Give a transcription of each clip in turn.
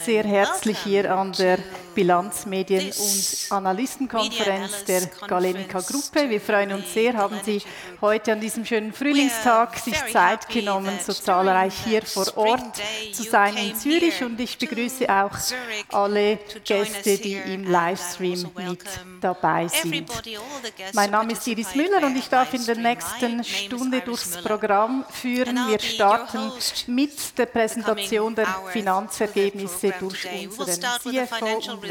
Sehr herzlich hier an der Bilanzmedien- und Analystenkonferenz der Galenica Group. Wir freuen uns sehr, haben Sie heute an diesem schönen Frühlingstag sich Zeit genommen, so zahlreich hier vor Ort zu sein in Zürich und ich begrüße auch alle Gäste, die im Livestream mit dabei sind. Mein Name ist Iris Müller und ich darf in der nächsten Stunde durchs Programm führen. Wir starten mit der Präsentation der Finanzvergebnisse durch unseren CFO und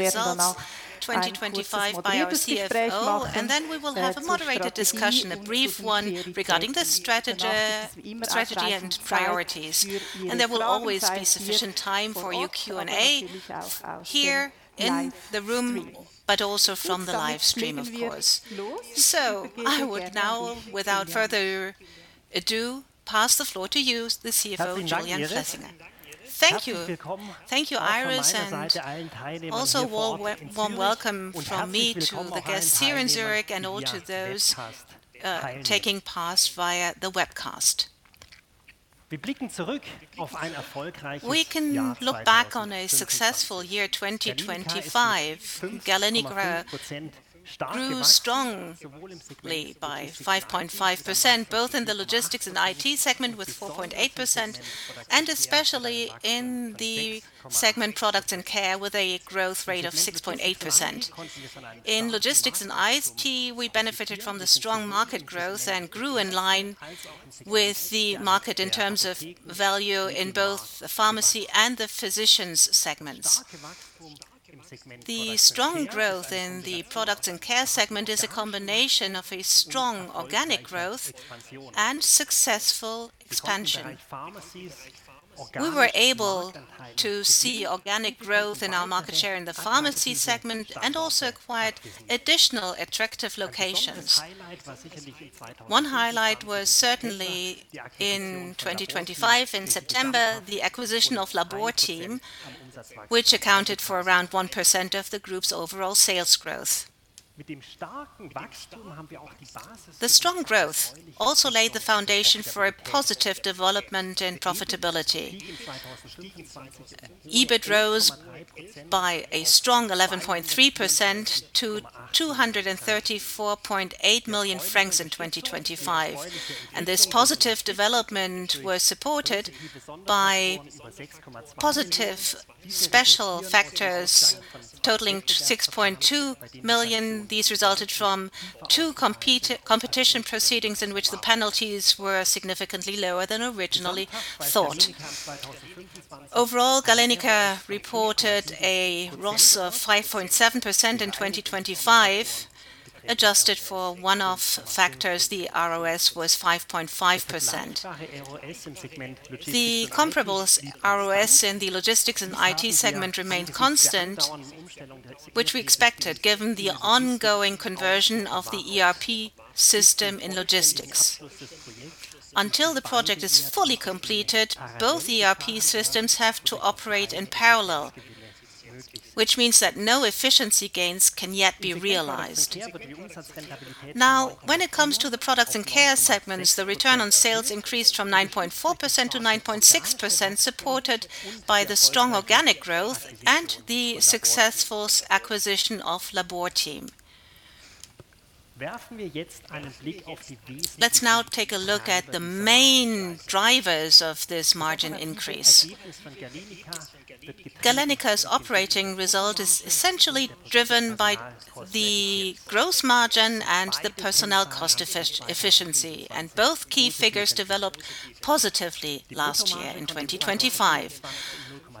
werden danach ein kurzes moderiertes Gespräch machen, durch Frau Ki und gebe dann die Zeit für die Fragen wie immer abschließend auch hier die Fragenzeit hier vor Ort und natürlich auch aus dem Livestream. Damit legen wir los. Ich bitte gerne dich, Julian. Herzlichen Dank, Iris. Herzlich willkommen von meiner Seite allen Teilnehmern hier vor Ort in Zürich und herzlich willkommen an alle, die via Webcast teilnehmen. Wir blicken zurück auf ein erfolgreiches Jahr 2025. Galenica ist mit 5.5% stark gewachsen, sowohl im Segment Logistics und IT mit 4.8% und besonders im Segment Products and Care mit einem Wachstum von 6.8%. Im Segment Logistics und IT konnten wir von einem starken Marktwachstum profitieren und wuchsen im Markt sowohl im Segment Apotheke als auch im Segment Ärzte stark. Der starke Wachstum im Segment Products and Care ist eine Kombination aus einem starken organischen Wachstum und erfolgreicher Expansion. Wir konnten im Bereich Apotheken organisches Wachstum erzielen und haben auch zusätzliche attraktive Standorte akquiriert. Ein besonderes Highlight war sicherlich in 2025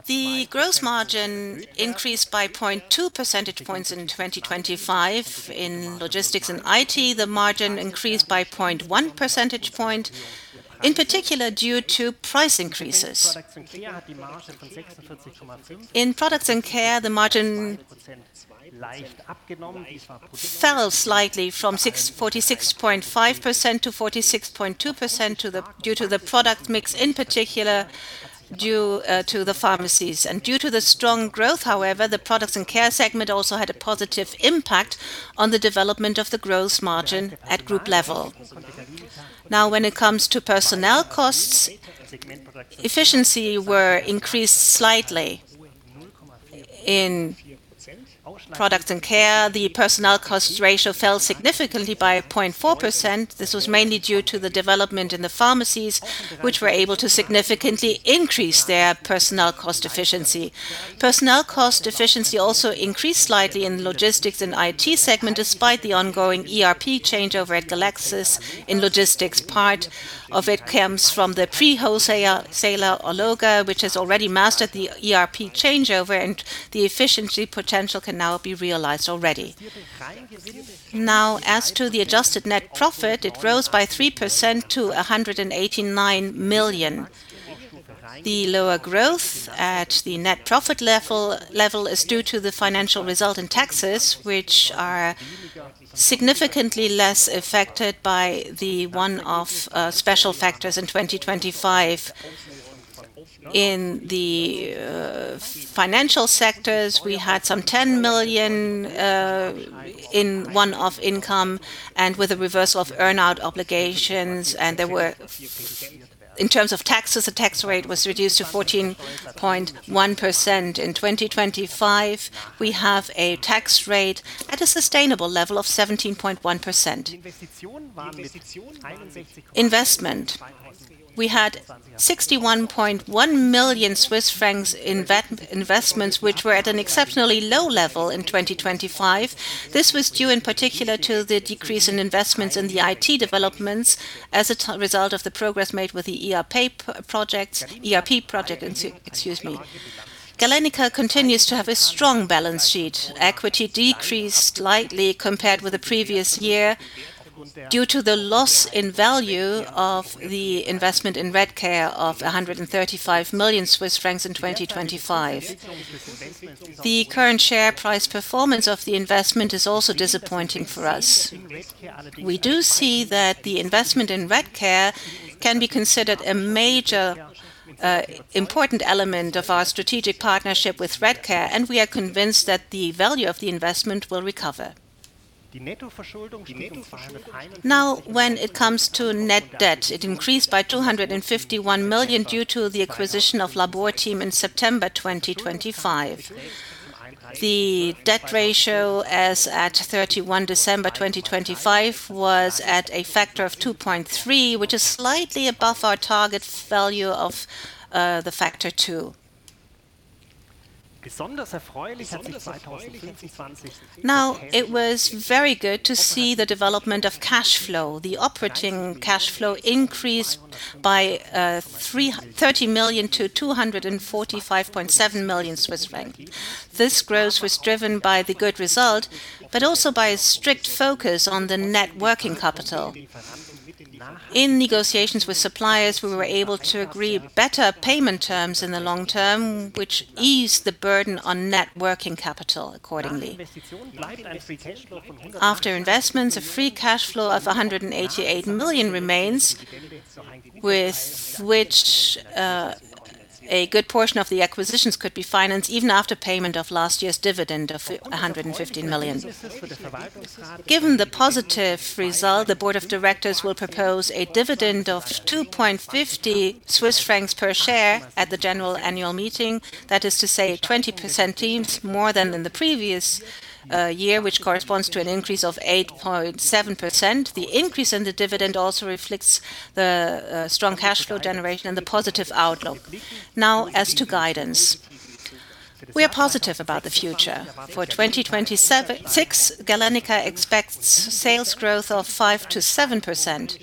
im September die Akquisition von Labor Team, die für rund 1% unseres Gruppenumsatzwachstums verantwortlich war. Mit dem starken Wachstum haben wir auch die Basis für eine positive Entwicklung der Rentabilität gelegt. Das EBIT stieg 2025 um starke 11.3% auf CHF 243.8 million. Diese positive Entwicklung wurde unterstützt von besonderen Effekten über CHF 6.2 million. Diese resultierten aus zwei Competition-Verfahren, bei denen die Strafen wesentlich niedriger ausfielen als ursprünglich angenommen. Insgesamt wies Galenica einen ROS von 5.7% aus. Nach Anpassung an die Sondereffekte betrug der ROS 5.5%. Das vergleichbare ROS im Segment Logistics & IT blieb konstant, was wir erwartet hatten, angesichts der laufenden Umstellung des ERP-Systems im Logistics. Bis das Projekt vollständig abgeschlossen Products & Care, the personnel cost ratio fell significantly by 0.4%. This was mainly due to the development in the pharmacies, which were able to significantly increase their personnel cost efficiency. Personnel cost efficiency also increased slightly in Logistics & IT segment, despite the ongoing ERP changeover at Galexis in logistics. Part of it comes from the pre-wholesaler, Alloga, which has already mastered the ERP changeover, and the efficiency potential can now be realized already. Now, as to the adjusted net profit, it rose by 3% to 189 million. The lower growth at the net profit level is due to the financial results and taxes, which are significantly less affected by the one-off special factors in 2025. In the financial sector, we had some 10 million in one-off income and with a reversal of earn-out obligations. In terms of taxes, the tax rate was reduced to 14.1%. In 2025, we have a tax rate at a sustainable level of 17.1%. Investments. We had 61.1 million Swiss francs investments, which were at an exceptionally low level in 2025. This was due in particular to the decrease in investments in the IT developments as a result of the progress made with the ERP project. Galenica continues to have a strong balance sheet. Equity decreased slightly compared with the previous year due to the loss in value of the investment in Redcare of 135 million Swiss francs in 2025. The current share price performance of the investment is also disappointing for us. We do see that the investment in Redcare can be considered a major, important element of our strategic partnership with Redcare, and we are convinced that the value of the investment will recover. Now, when it comes to net debt, it increased by 251 million due to the acquisition of Labor Team in September 2025. The debt ratio as at 31 December 2025 was at a factor of 2.3, which is slightly above our target value of, the factor two. Now, it was very good to see the development of cash flow. The operating cash flow increased by 30 million to 245.7 million Swiss francs. This growth was driven by the good result, but also by a strict focus on the net working capital. In negotiations with suppliers, we were able to agree better payment terms in the long term, which eased the burden on net working capital accordingly. After investments, a free cash flow of 188 million remains, with which a good portion of the acquisitions could be financed even after payment of last year's dividend of 150 million. Given the positive result, the board of directors will propose a dividend of 2.50 Swiss francs per share at the general annual meeting. That is to say 20% more than in the previous year, which corresponds to an increase of 8.7%. The increase in the dividend also reflects the strong cash flow generation and the positive outlook. Now, as to guidance. We are positive about the future. For 2026, Galenica expects sales growth of 5%-7%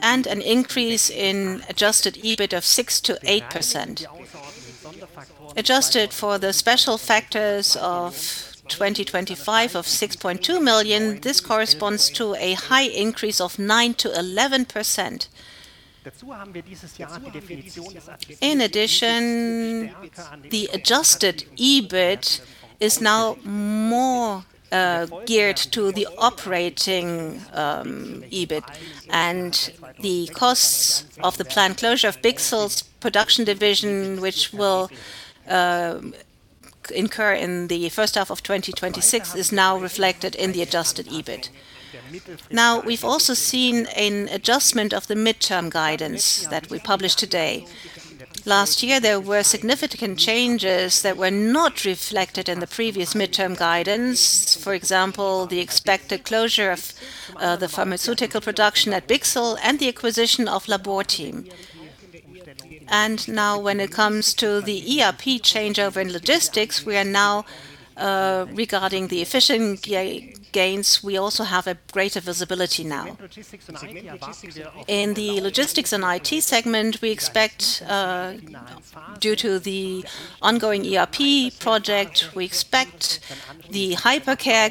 and an increase in adjusted EBIT of 6%-8%. Adjusted for the special factors of 2025 of 6.2 million, this corresponds to a high increase of 9%-11%. In addition, the adjusted EBIT is now more geared to the operating EBIT. The costs of the planned closure of Bichsel's production division, which will incur in the first half of 2026, is now reflected in the adjusted EBIT. Now, we've also seen an adjustment of the midterm guidance that we published today. Last year, there were significant changes that were not reflected in the previous midterm guidance. For example, the expected closure of the pharmaceutical production at Bichsel and the acquisition of Labor Team. Now when it comes to the ERP changeover in logistics, we are now regarding the efficient gains, we also have a greater visibility now. In the logistics and IT segment, we expect due to the ongoing ERP project, we expect the hypercare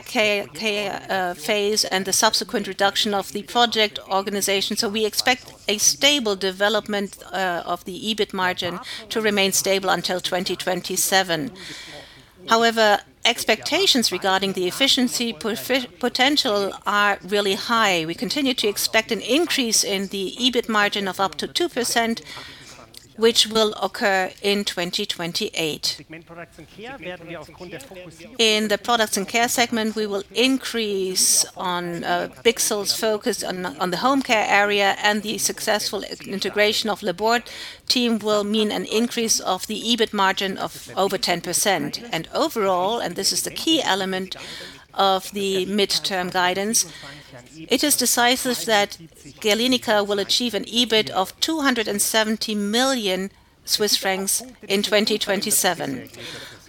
phase and the subsequent reduction of the project organization. We expect a stable development of the EBIT margin to remain stable until 2027. However, expectations regarding the efficiency potential are really high. We continue to expect an increase in the EBIT margin of up to 2%, which will occur in 2028. In the Products & Care segment, we will increase on Bichsel's focus on the home care area, and the successful integration of Labor Team will mean an increase of the EBIT margin of over 10%. Overall, this is the key element of the midterm guidance, it is decisive that Galenica will achieve an EBIT of 270 million Swiss francs in 2027.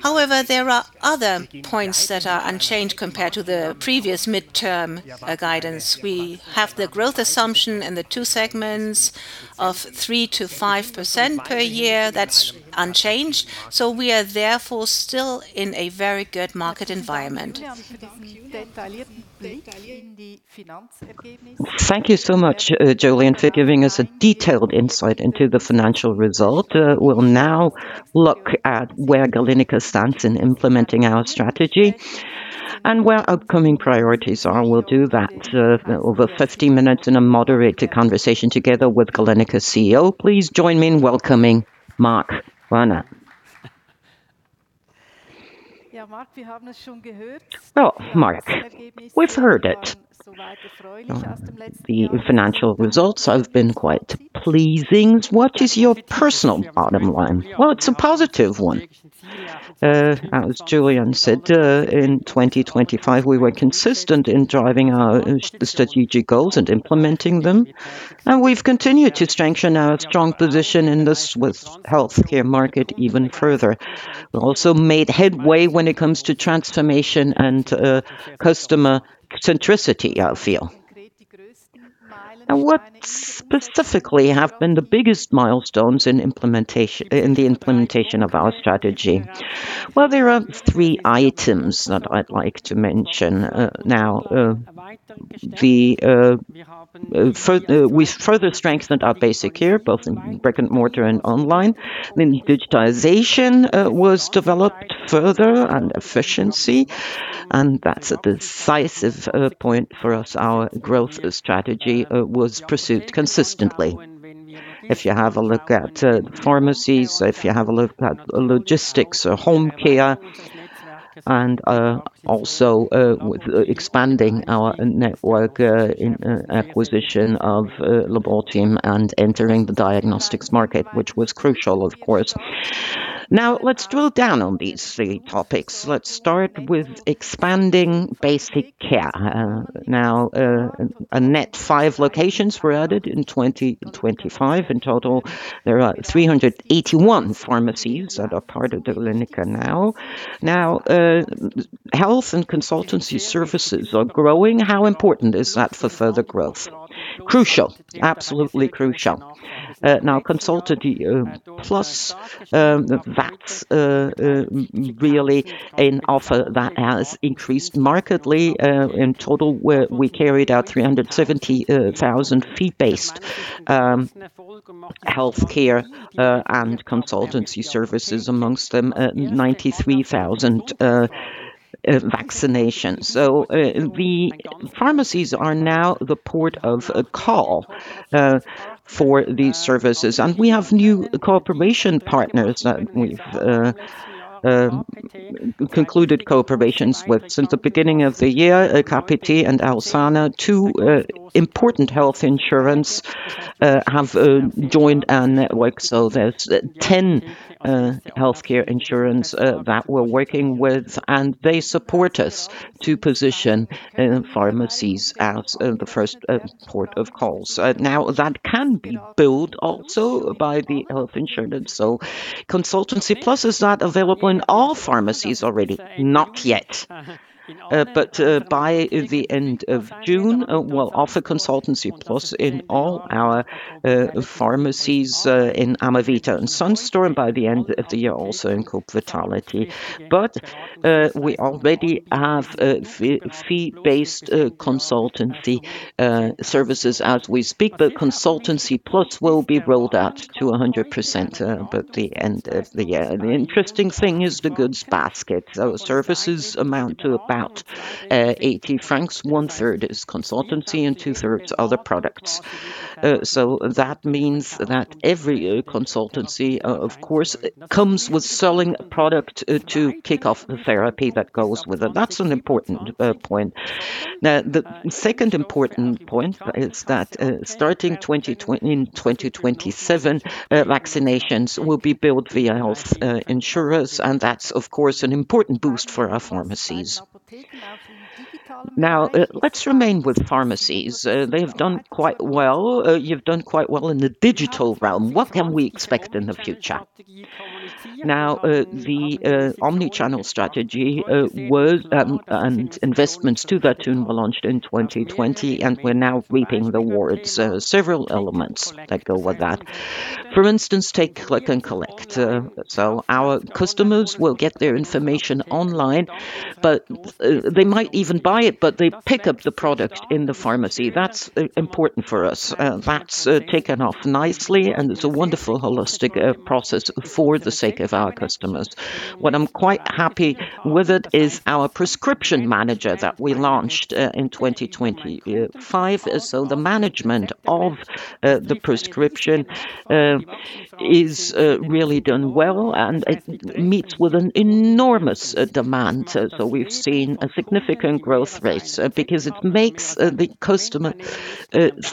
However, there are other points that are unchanged compared to the previous midterm guidance. We have the growth assumption in the two segments of 3%-5% per year. That's unchanged. We are therefore still in a very good market environment. Thank you so much, Julian Fiessinger, for giving us a detailed insight into the financial result. We'll now look at where Galenica stands in implementing our strategy. Where upcoming priorities are, we'll do that, over 50 minutes in a moderated conversation together with Galenica CEO. Please join me in welcoming Marc Werner. Yeah, Marc, we have not shown good. Well, Marc, we've heard it. Like the training is. The financial results have been quite pleasing. What is your personal bottom line? Well, it's a positive one. As Julian said, in 2025, we were consistent in driving our strategic goals and implementing them, and we've continued to strengthen our strong position in the Swiss healthcare market even further. We also made headway when it comes to transformation and customer centricity, I feel. Now, what specifically have been the biggest milestones in the implementation of our strategy? Well, there are three items that I'd like to mention, now. We further strengthened our basic care, both in brick-and-mortar and online. Then digitization was developed further and efficiency, and that's a decisive point for us. Our growth strategy was pursued consistently. If you have a look at pharmacies, if you have a look at logistics or home care and also expanding our network in acquisition of Labor Team and entering the diagnostics market, which was crucial of course. Let's drill down on these three topics. Let's start with expanding basic care. A net five locations were added in 2025. In total, there are 381 pharmacies that are part of the Galenica now. Health and consultancy services are growing. How important is that for further growth? Crucial. Absolutely crucial. Consultation Plus, that's a really an offer that has increased markedly. In total we carried out 370,000 fee-based healthcare and consultancy services, among them 93,000 vaccinations. The pharmacies are now the port of call for these services. We have new cooperation partners that we've concluded cooperations with. Since the beginning of the year, KPT and Assura, two important health insurance have joined our network. There's 10 healthcare insurance that we're working with, and they support us to position pharmacies as the first port of call. Now that can be billed also by the health insurance. Consultation Plus is not available in all pharmacies already? Not yet. By the end of June, we'll offer Consultation Plus in all our pharmacies in Amavita and Sun Store, and by the end of the year also in Coop Vitality. We already have fee-based consultancy services as we speak, but Consultation plus will be rolled out to 100% by the end of the year. The interesting thing is the goods basket. Those services amount to about 80 francs. One-third is consultancy and two-thirds other products. So that means that every consultancy of course comes with selling a product to kick off the therapy that goes with it. That's an important point. Now, the second important point is that starting 2027 vaccinations will be billed via health insurers, and that's of course an important boost for our pharmacies. Now, let's remain with pharmacies. They've done quite well. You've done quite well in the digital realm. What can we expect in the future? The omni-channel strategy and investments to that tune were launched in 2020, and we're now reaping the rewards. Several elements that go with that. For instance, take Click & Collect. Our customers will get their information online, but they might even buy it, but they pick up the product in the pharmacy. That's important for us. That's taken off nicely, and it's a wonderful holistic process for the sake of our customers. What I'm quite happy with it is our Prescription Manager that we launched in 2025. The management of the prescription is really done well, and it meets with an enormous demand. We've seen a significant growth rate, because it makes the customer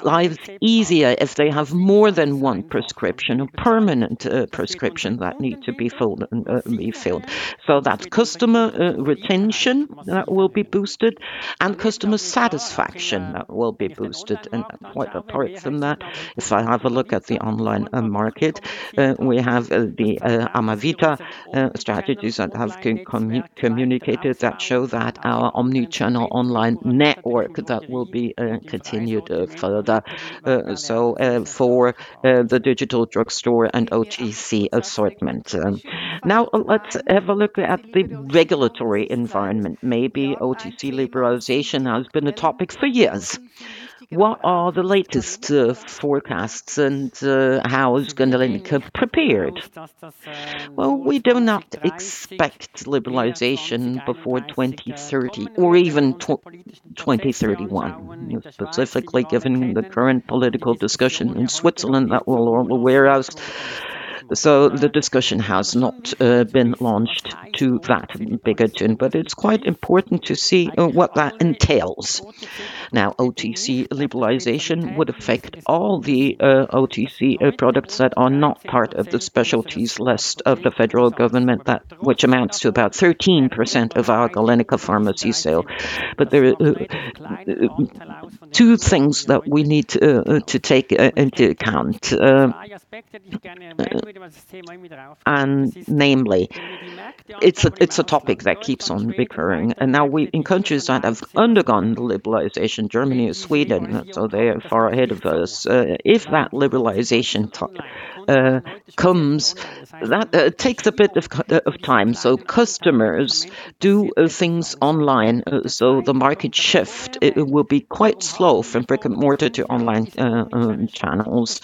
lives easier as they have more than one prescription, a permanent prescription that need to be filled. That customer retention will be boosted and customer satisfaction will be boosted. Quite apart from that, if I have a look at the online market, we have the Amavita strategies that have communicated that show that our omni-channel online network that will be continued further, so for the digital drugstore and OTC assortment. Now let's have a look at the regulatory environment. Maybe OTC liberalization has been a topic for years. What are the latest forecasts and how is Galenica prepared? Well, we do not expect liberalization before 2030 or even 2031, specifically given the current political discussion in Switzerland that we're all aware of. The discussion has not been launched to that bigger tune. But it's quite important to see what that entails. Now, OTC liberalization would affect all the OTC products that are not part of the specialties list of the federal government which amounts to about 13% of our Galenica pharmacy sale. But there are two things that we need to take into account, and namely, it's a topic that keeps on recurring. In countries that have undergone liberalization, Germany and Sweden, so they are far ahead of us. If that liberalization comes, that takes a bit of time, so customers do things online, so the market shift, it will be quite slow from brick-and-mortar to online channels.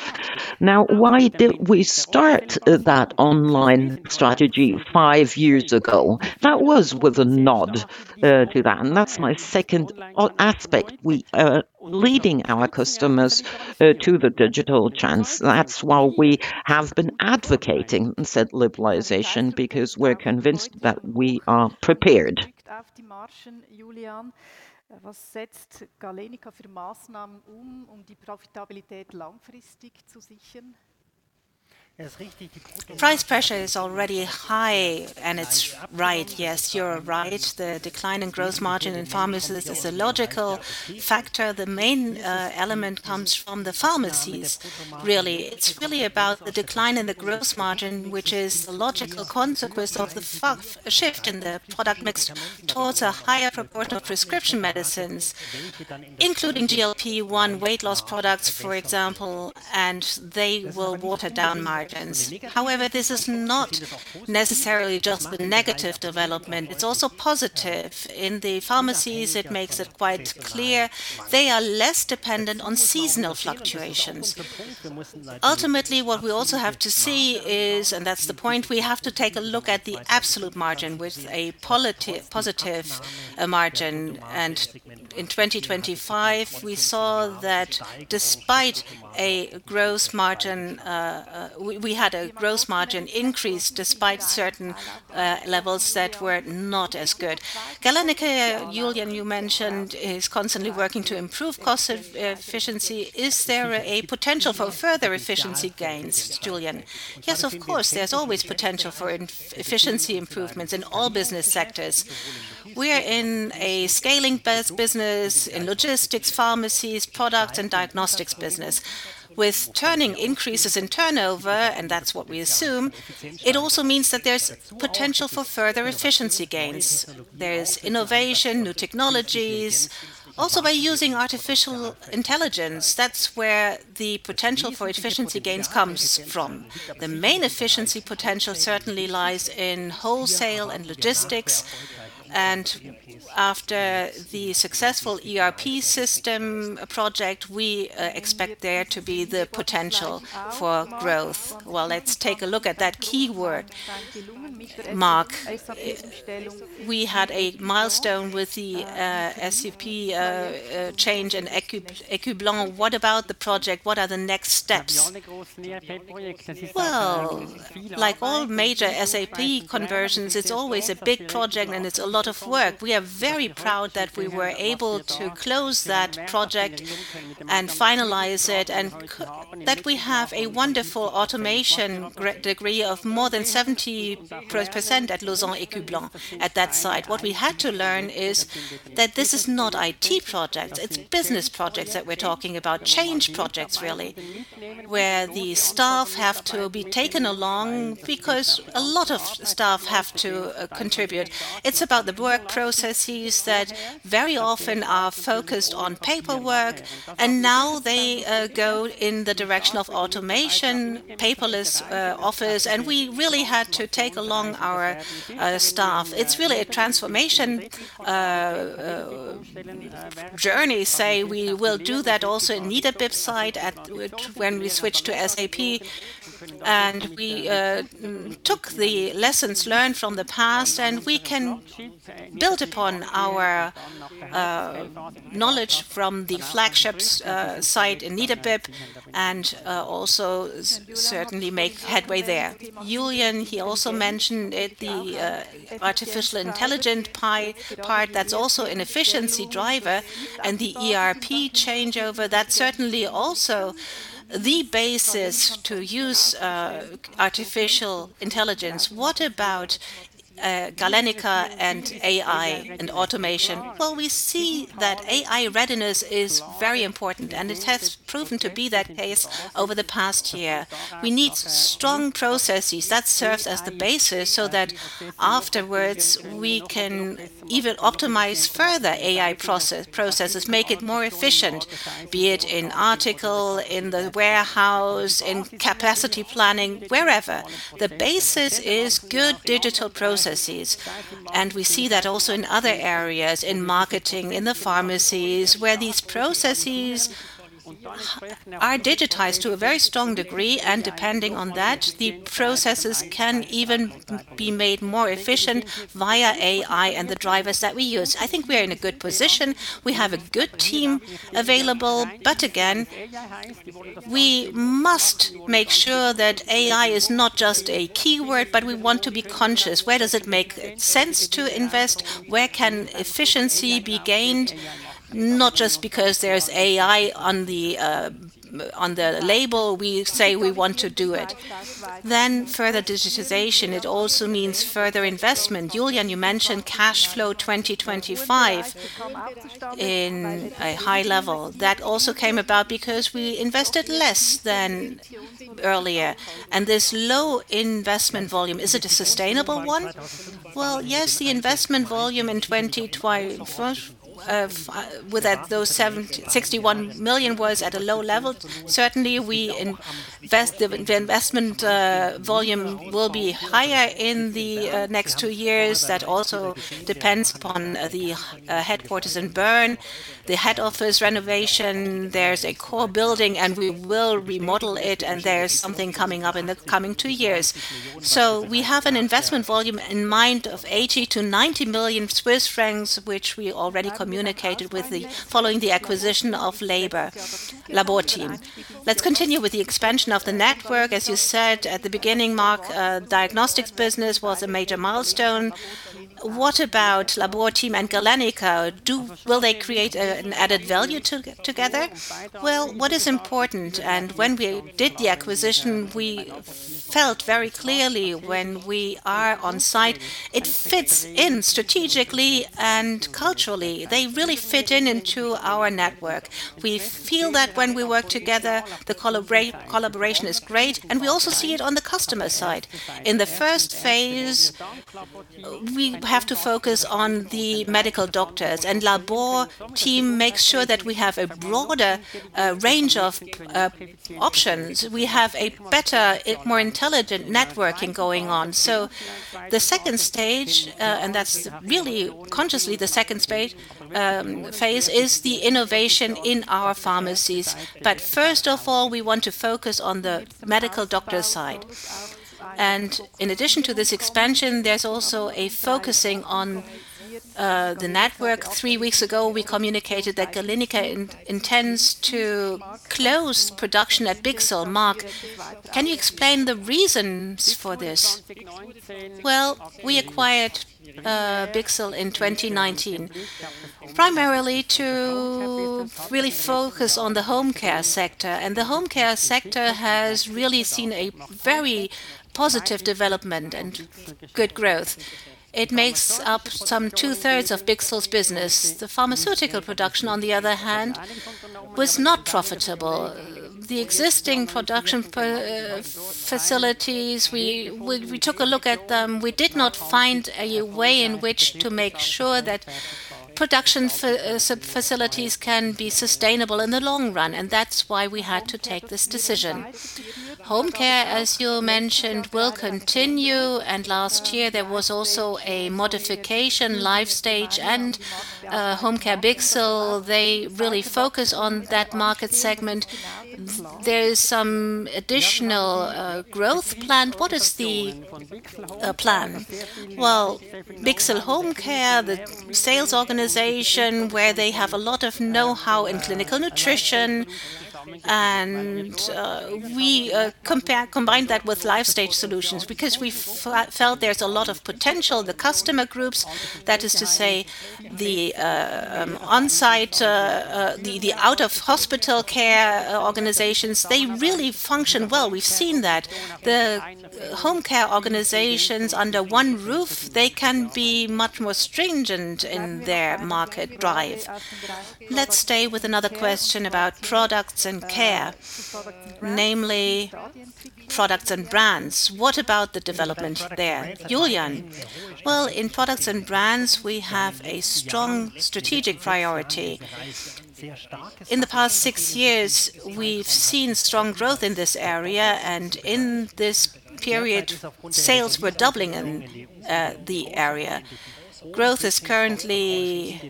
Now, why did we start that online strategy five years ago? That was with a nod to that, and that's my second aspect. We are leading our customers to the digital channel. That's why we have been advocating said liberalization, because we're convinced that we are prepared. Price pressure is already high, and it's right. Yes, you're right. The decline in gross margin in pharmacies is a logical factor. The main element comes from the pharmacies really. It's really about the decline in the gross margin, which is a logical consequence of the shift in the product mix towards a higher proportion of prescription medicines, including GLP-1 weight loss products, for example, and they will water down margins. However, this is not necessarily just a negative development. It's also positive. In the pharmacies, it makes it quite clear they are less dependent on seasonal fluctuations. Ultimately, what we also have to see is, and that's the point, we have to take a look at the absolute margin with a positive margin. In 2025, we saw that despite a gross margin, we had a gross margin increase despite certain levels that were not as good. Galenica, Julian, you mentioned, is constantly working to improve cost efficiency. Is there a potential for further efficiency gains, Julian? Yes, of course, there's always potential for efficiency improvements in all business sectors. We are in a scaling business, in logistics, pharmacies, product, and diagnostics business. With ongoing increases in turnover, and that's what we assume, it also means that there's potential for further efficiency gains. There's innovation, new technologies, also by using artificial intelligence. That's where the potential for efficiency gains comes from. The main efficiency potential certainly lies in wholesale and logistics, and after the successful ERP system project, we expect there to be the potential for growth. Well, let's take a look at that keyword, Marc. We had a milestone with the SAP change in Ecublens. What about the project? What are the next steps? Well, like all major SAP conversions, it's always a big project, and it's a lot of work. We are very proud that we were able to close that project and finalize it and that we have a wonderful automation degree of more than 70% at Lausanne-Ecublens at that site. What we had to learn is that this is not IT projects, it's business projects that we're talking about, change projects really, where the staff have to be taken along because a lot of staff have to contribute. It's about the work processes that very often are focused on paperwork, and now they go in the direction of automation, paperless office, and we really had to take along our staff. It's really a transformation journey. We will do that also in the Niederbipp site when we switch to SAP, and we took the lessons learned from the past, and we can build upon our knowledge from the flagship site in Niederbipp and also certainly make headway there. Julian, he also mentioned it, the artificial intelligence part that's also an efficiency driver and the ERP changeover. That's certainly also the basis to use artificial intelligence. What about Galenica and AI and automation? Well, we see that AI readiness is very important, and it has proven to be that case over the past year. We need strong processes. That serves as the basis so that afterwards we can even optimize further AI processes, make it more efficient, be it in article, in the warehouse, in capacity planning, wherever. The basis is good digital processes, and we see that also in other areas, in marketing, in the pharmacies, where these processes are digitized to a very strong degree, and depending on that, the processes can even be made more efficient via AI and the drivers that we use. I think we are in a good position. We have a good team available. But again, we must make sure that AI is not just a keyword, but we want to be conscious. Where does it make sense to invest? Where can efficiency be gained? Not just because there's AI on the label, we say we want to do it. Further digitization, it also means further investment. Julian, you mentioned cash flow 2025 in a high level. That also came about because we invested less than earlier. This low investment volume, is it a sustainable one? Well, yes, the investment volume in 2025 with those 61 million was at a low level. Certainly, the investment volume will be higher in the next two years. That also depends upon the headquarters in Bern, the head office renovation. There's a core building, and we will remodel it, and there's something coming up in the coming two years. We have an investment volume in mind of 80 million-90 million Swiss francs, which we already communicated following the acquisition of Labor Team. Let's continue with the expansion of the network. As you said at the beginning, Marc, diagnostics business was a major milestone. What about Labor Team and Galenica? Will they create an added value together? Well, what is important, and when we did the acquisition, we felt very clearly when we are on site, it fits in strategically and culturally. They really fit in into our network. We feel that when we work together, the collaboration is great, and we also see it on the customer side. In the first phase, we have to focus on the medical doctors, and Labor Team makes sure that we have a broader range of options. We have a better, a more intelligent networking going on. The second stage, and that's really consciously the second phase, is the innovation in our pharmacies. First of all, we want to focus on the medical doctor side. In addition to this expansion, there's also a focusing on the network. Three weeks ago, we communicated that Galenica intends to close production at Bichsel. Marc, can you explain the reasons for this? Well, we acquired Bichsel in 2019 primarily to really focus on the home care sector, and the home care sector has really seen a very positive development and good growth. It makes up some two-thirds of Bichsel's business. The pharmaceutical production, on the other hand, was not profitable. The existing production facilities, we took a look at them. We did not find a way in which to make sure that production facilities can be sustainable in the long run, and that's why we had to take this decision. Home care, as you mentioned, will continue, and last year there was also a modification. Lifestage Solutions and Bichsel Home Care, they really focus on that market segment. There is some additional growth planned. What is the plan? Well, Bichsel Home Care, the sales organization where they have a lot of know-how in clinical nutrition, and we combine that with Lifestage Solutions because we felt there's a lot of potential. The customer groups, that is to say the on-site, the out-of-hospital care organizations, they really function well. We've seen that. The home care organizations under one roof, they can be much more stringent in their market drive. Let's stay with another question about Products & Care, namely products and brands. What about the development there? Julian? Well, in products and brands, we have a strong strategic priority. In the past six years, we've seen strong growth in this area, and in this period, sales were doubling in the area. Growth is currently,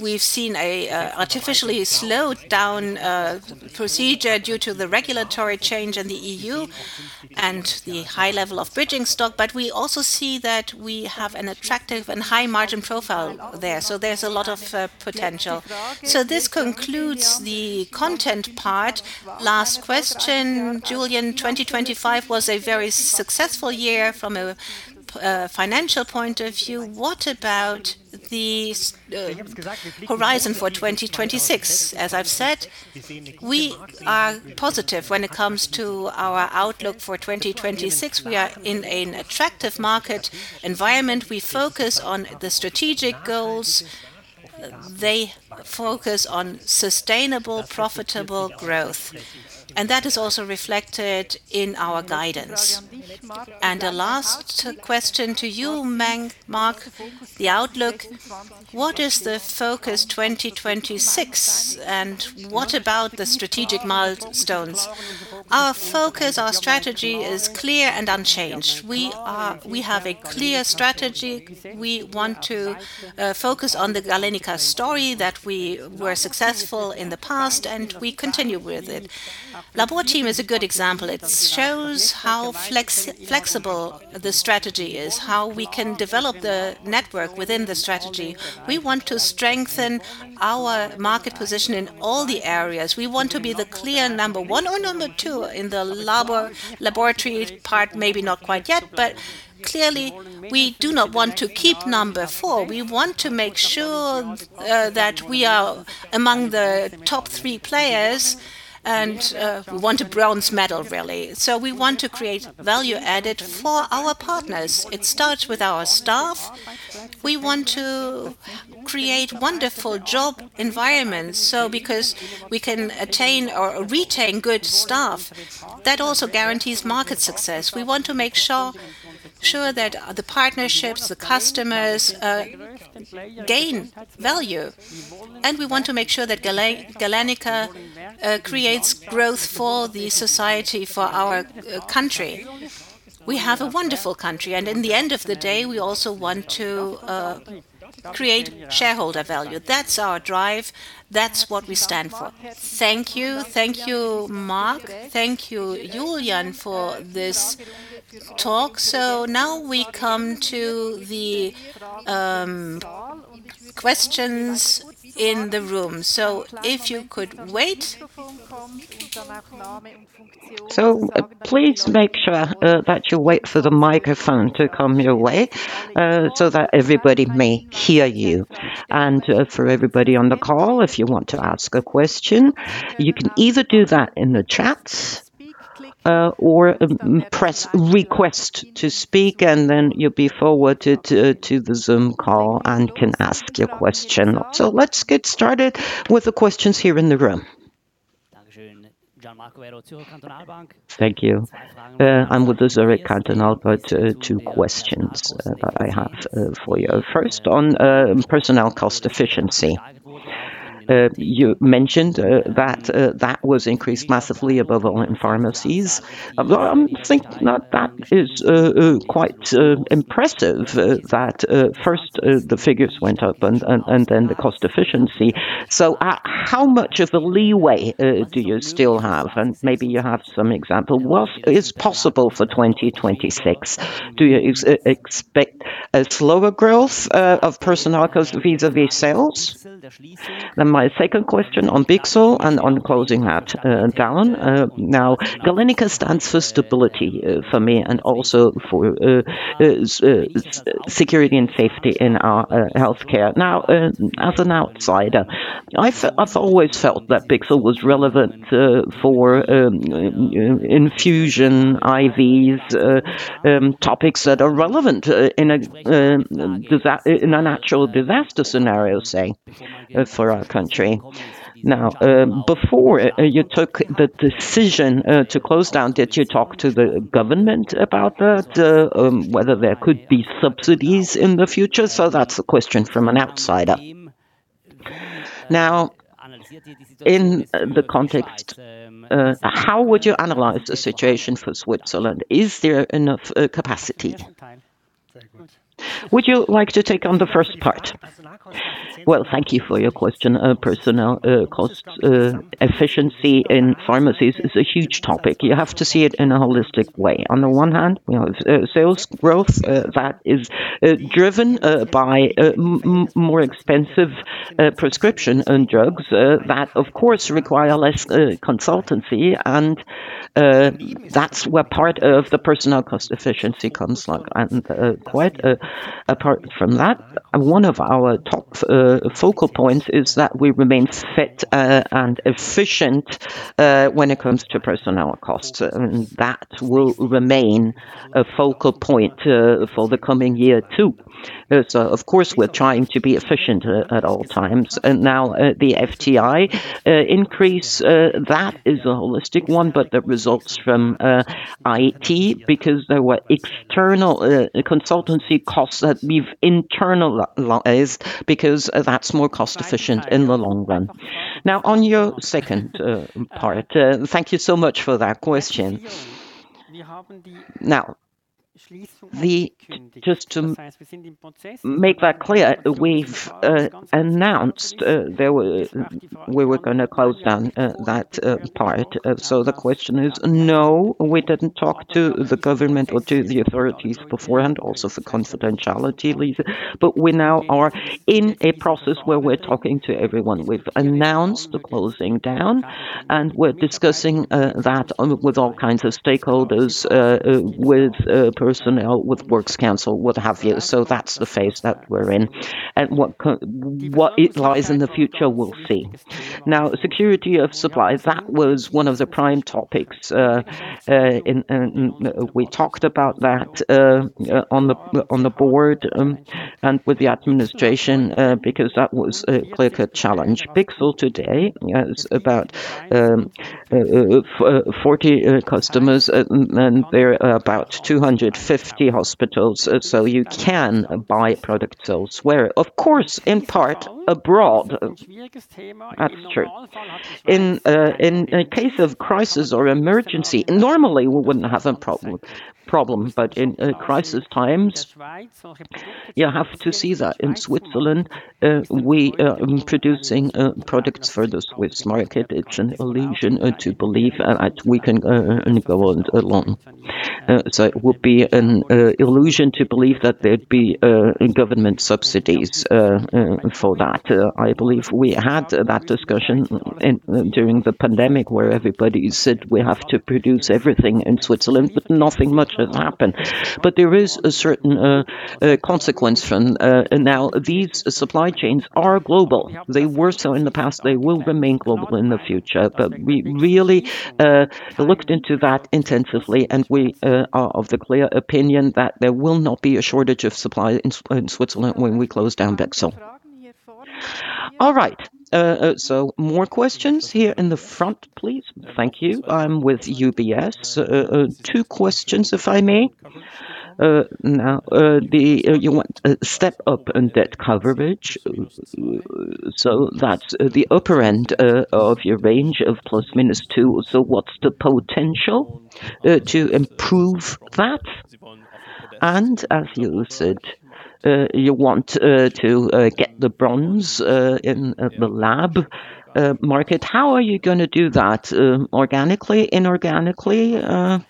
we've seen a artificially slowed down procedure due to the regulatory change in the EU and the high level of bridging stock, but we also see that we have an attractive and high margin profile there, so there's a lot of potential. This concludes the content part. Last question, Julian. 2025 was a very successful year from a financial point of view. What about the horizon for 2026? As I've said, we are positive when it comes to our outlook for 2026. We are in an attractive market environment. We focus on the strategic goals. They focus on sustainable, profitable growth. That is also reflected in our guidance. A last question to you, Marc, the outlook, what is the focus 2026 and what about the strategic milestones? Our focus, our strategy is clear and unchanged. We have a clear strategy. We want to focus on the Galenica story that we were successful in the past, and we continue with it. Labor Team is a good example. It shows how flexible the strategy is, how we can develop the network within the strategy. We want to strengthen our market position in all the areas. We want to be the clear number one or number two in the laboratory part, maybe not quite yet, but clearly we do not want to keep number four. We want to make sure that we are among the top three players and we want a bronze medal, really. We want to create value added for our partners. It starts with our staff. We want to create wonderful job environments, so because we can attain or retain good staff, that also guarantees market success. We want to make sure that the partnerships, the customers, gain value. We want to make sure that Galenica creates growth for the society, for our country. We have a wonderful country, and in the end of the day, we also want to create shareholder value. That's our drive. That's what we stand for. Thank you. Thank you, Marc. Thank you, Julian, for this talk. Now we come to the questions in the room. If you could wait. Please make sure that you wait for the microphone to come your way so that everybody may hear you. For everybody on the call, if you want to ask a question, you can either do that in the chats or press request to speak, and then you'll be forwarded to the Zoom call and can ask your question. Let's get started with the questions here in the room. Thank you. I'm with the Zürcher Kantonalbank, but two questions that I have for you. First, on personnel cost efficiency. You mentioned that that was increased massively above all in pharmacies. Although I think that that is quite impressive that first the figures went up and then the cost efficiency. At how much of the leeway do you still have? Maybe you have some example. What is possible for 2026? Do you expect a slower growth of personnel costs vis-à-vis sales? My second question on Bichsel and on closing that down. Galenica stands for stability for me and also for security and safety in our healthcare. As an outsider, I've always felt that Bichsel was relevant for infusion, IVs, topics that are relevant in a natural disaster scenario, say, for our country. Before you took the decision to close down, did you talk to the government about that, whether there could be subsidies in the future? That's a question from an outsider. Now, in the context, how would you analyze the situation for Switzerland? Is there enough capacity? Would you like to take on the first part? Well, thank you for your question. Personnel cost efficiency in pharmacies is a huge topic. You have to see it in a holistic way. On the one hand, you know, sales growth that is driven by more expensive prescription and drugs that of course require less consultancy. That's where part of the personnel cost efficiency comes like. Quite apart from that, one of our top focal points is that we remain fit and efficient when it comes to personnel costs. That will remain a focal point for the coming year, too. Of course, we're trying to be efficient at all times. Now, the FTE increase that is a holistic one, but that results from IT because there were external consultancy costs that we've internalized because that's more cost efficient in the long run. Now, on your second part, thank you so much for that question. Now, just to make that clear, we've announced we were gonna close down that part. The question is, no, we didn't talk to the government or to the authorities beforehand, also for confidentiality reason. We now are in a process where we're talking to everyone. We've announced the closing down, and we're discussing that with all kinds of stakeholders, with personnel, with works council, what have you. That's the phase that we're in, and what it lies in the future, we'll see. Now, security of supply, that was one of the prime topics, in we talked about that, on the board, and with the administration, because that was quite a challenge. Bichsel today has about 40 customers, and there are about 250 hospitals, so you can buy products elsewhere. Of course, in part abroad. That's true. In a case of crisis or emergency, normally we wouldn't have a problem, but in crisis times, you have to see that in Switzerland, we producing products for the Swiss market, it's an illusion to believe that we can go on alone. It would be an illusion to believe that there'd be government subsidies for that. I believe we had that discussion during the pandemic, where everybody said we have to produce everything in Switzerland, but nothing much has happened. There is a certain consequence from now these supply chains are global. They were so in the past, they will remain global in the future. We really looked into that intensively, and we are of the clear opinion that there will not be a shortage of supply in Switzerland when we close down Bexal. All right. So more questions here in the front, please. Thank you. I'm with UBS. Two questions, if I may. Now, you want a step up in debt coverage, so that's the upper end of your range of ±2. So what's the potential to improve that? And as you said, you want to get the bronze in the lab market. How are you gonna do that, organically, inorganically?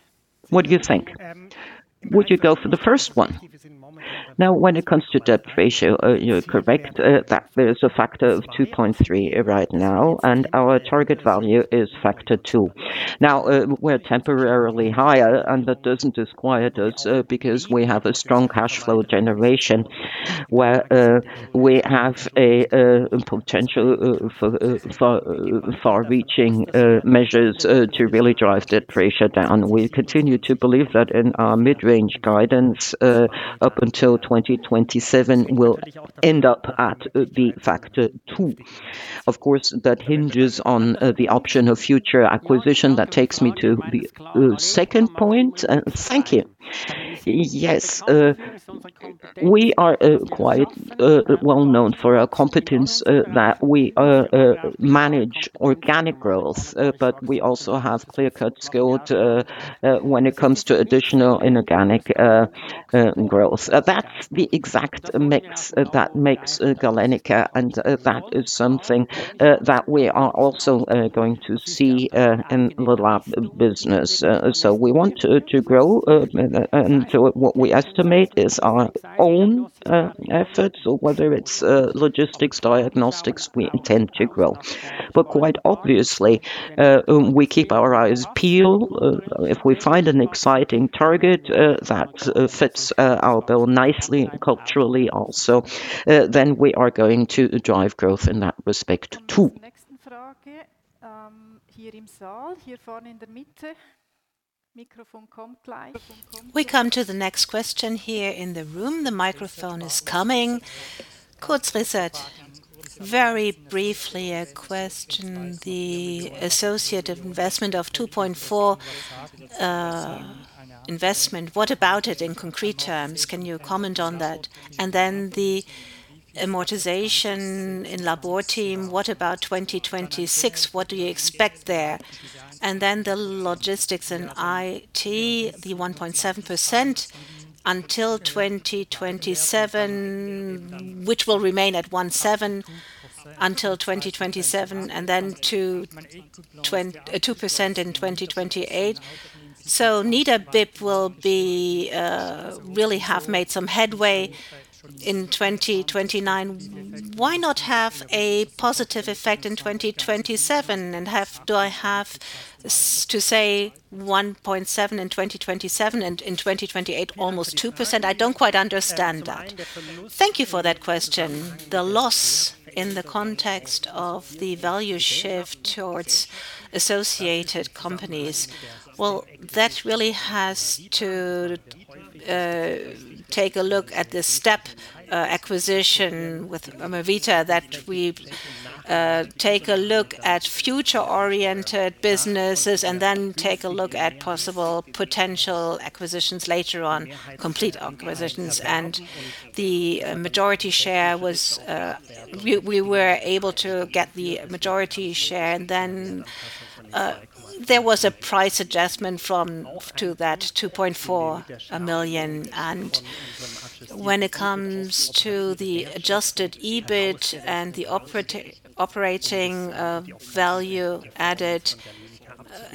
What do you think? Would you go for the first one? Now, when it comes to debt ratio, you're correct that there's a factor of 2.3 right now, and our target value is factor two. Now, we're temporarily higher, and that doesn't disquiet us because we have a strong cash flow generation where we have a potential for far-reaching measures to really drive debt ratio down. We continue to believe that in our mid-range guidance up until 2027, we'll end up at the factor two. Of course, that hinges on the option of future acquisition. That takes me to the second point. Thank you. Yes, we are quite well known for our competence that we manage organic growth, but we also have clear-cut skill to when it comes to additional inorganic growth. That's the exact mix that makes Galenica, and that is something that we are also going to see in the lab business. We want to grow. What we estimate is our own efforts, or whether it's logistics, diagnostics, we intend to grow. Quite obviously, we keep our eyes peeled. If we find an exciting target that fits the bill nicely and culturally also, then we are going to drive growth in that respect too. We come to the next question here in the room. The microphone is coming. Kunz, Research. Very briefly, a question. The associated investment of 2.4 investment, what about it in concrete terms? Can you comment on that? Then the amortization in Labor Team, what about 2026? What do you expect there? Then the logistics in IT, the 1.7% until 2027, which will remain at 1.7% until 2027, and then to 2.2% in 2028. Neither EBIT will be really have made some headway in 2029. Why not have a positive effect in 2027 and do I have to say 1.7 in 2027 and in 2028 almost 2%? I don't quite understand that. Thank you for that question. The loss in the context of the value shift towards associated companies, well, that really has to take a look at the step acquisition with Medifilm that we take a look at future-oriented businesses and then take a look at possible potential acquisitions later on, complete acquisitions. The majority share was, we were able to get the majority share, and then, there was a price adjustment from to that 2.4 million. When it comes to the adjusted EBIT and the operating value added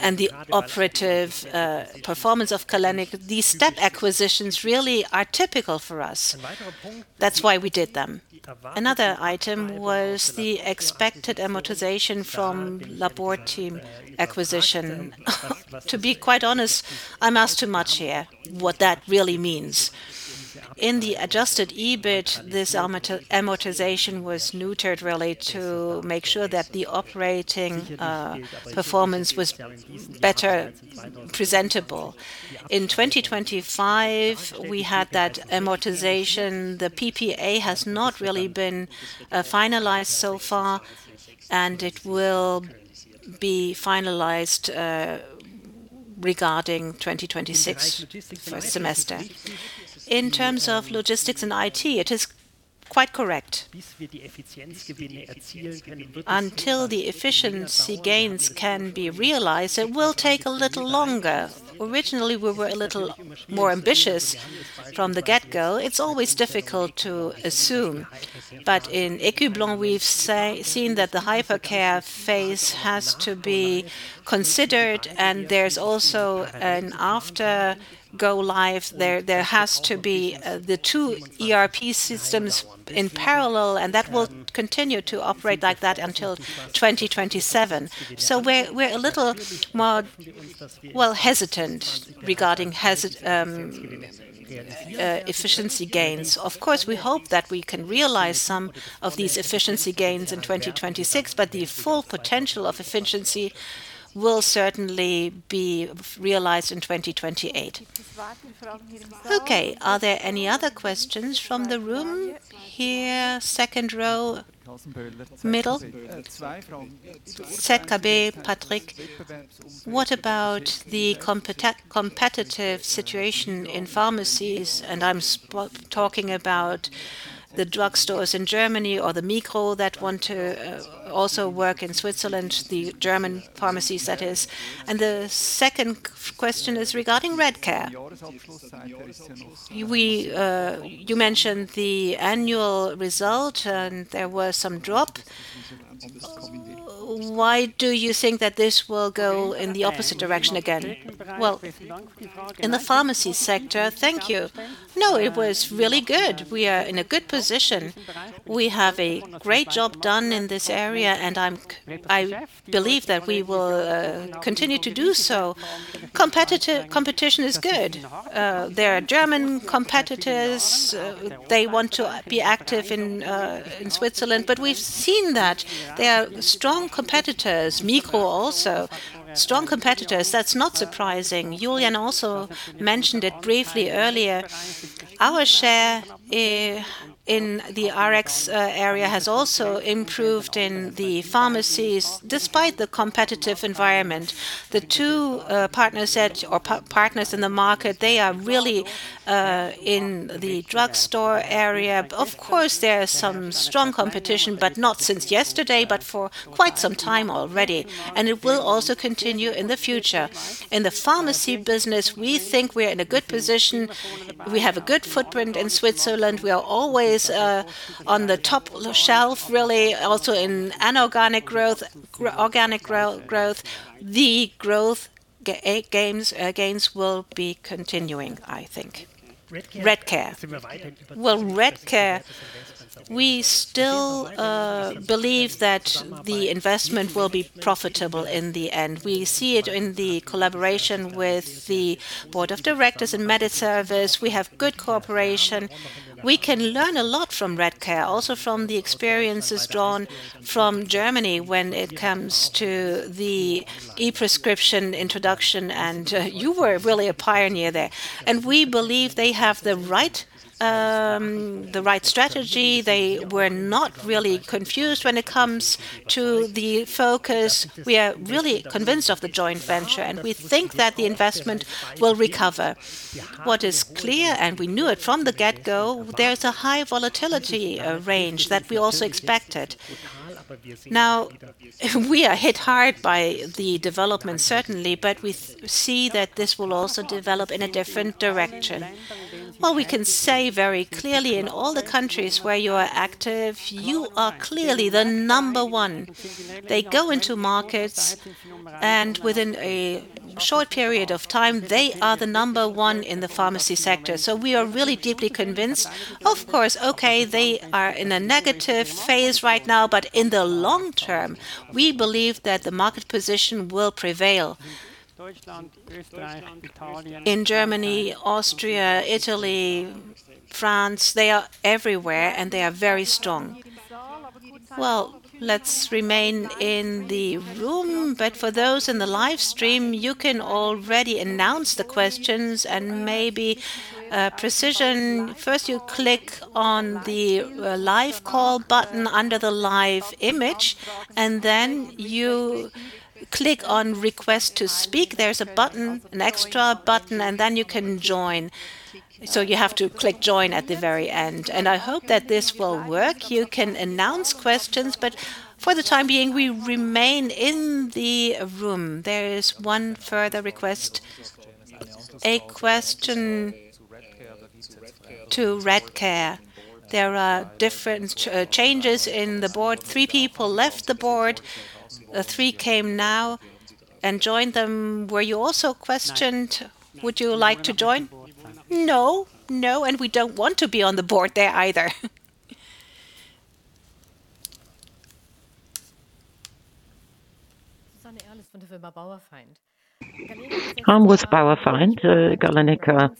and the operative performance of Galenica, these step acquisitions really are typical for us. That's why we did them. Another item was the expected amortization from Labor Team acquisition. To be quite honest, I'm asked too much here what that really means. In the adjusted EBIT, this amortization was neutralized really to make sure that the operating performance was better presentable. In 2025, we had that amortization. The PPA has not really been finalized so far, and it will be finalized regarding 2026 first semester. In terms of Logistics & IT, it is quite correct. Until the efficiency gains can be realized, it will take a little longer. Originally, we were a little more ambitious from the get-go. It's always difficult to assume. In Ecublens, we've seen that the hypercare phase has to be considered, and there's also an after go live. There has to be the two ERP systems in parallel, and that will continue to operate like that until 2027. We're a little more, well, hesitant regarding efficiency gains. Of course, we hope that we can realize some of these efficiency gains in 2026, but the full potential of efficiency will certainly be realized in 2028. Okay. Are there any other questions from the room? Here, second row, middle. ZKB, Patrick. What about the competitive situation in pharmacies? I'm talking about the drugstores in Germany or the Migros that want to also work in Switzerland, the German pharmacies, that is. The second question is regarding Redcare. We, you mentioned the annual result, and there was some drop. Why do you think that this will go in the opposite direction again? Well, in the pharmacy sector, thank you. No, it was really good. We are in a good position. We have a great job done in this area, and I believe that we will continue to do so. Competition is good. There are German competitors. They want to be active in Switzerland, but we've seen that. They are strong competitors, Migros also. Strong competitors, that's not surprising. Julian also mentioned it briefly earlier. Our share in the Rx area has also improved in the pharmacies despite the competitive environment. The two partners in the market, they are really in the drugstore area. Of course, there is some strong competition, but not since yesterday, but for quite some time already, and it will also continue in the future. In the pharmacy business, we think we're in a good position. We have a good footprint in Switzerland. We are always on the top shelf, really, also in inorganic growth, organic growth. The growth gains will be continuing, I think. Redcare. Well, Redcare, we still believe that the investment will be profitable in the end. We see it in the collaboration with the board of directors in MediService. We have good cooperation. We can learn a lot from Redcare, also from the experiences drawn from Germany when it comes to the e-prescription introduction, and you were really a pioneer there. We believe they have the right strategy. They were not really confused when it comes to the focus. We are really convinced of the joint venture, and we think that the investment will recover. What is clear, and we knew it from the get-go, there is a high volatility range that we also expected. Now, we are hit hard by the development certainly, but we see that this will also develop in a different direction. Well, we can say very clearly in all the countries where you are active, you are clearly the number one. They go into markets, and within a short period of time, they are the number one in the pharmacy sector. We are really deeply convinced. Of course, okay, they are in a negative phase right now, but in the long term, we believe that the market position will prevail. In Germany, Austria, Italy, France, they are everywhere, and they are very strong. Well, let's remain in the room, but for those in the live stream, you can already announce the questions and maybe precision. First you click on the live call button under the live image, and then you click on Request to Speak. There's a button, an extra button, and then you can join. You have to click Join at the very end. I hope that this will work. You can announce questions, but for the time being, we remain in the room. There is one further request, a question to Redcare. There are different changes in the board. Three people left the board, three came now and joined them. Were you also questioned? Would you like to join? No, and we don't want to be on the board there either. Susanne Ehrlich from the firm Bauerfeind. I'm with Bauerfeind, Galenica.